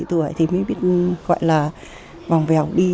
bảy tuổi thì mới biết gọi là vòng vèo đi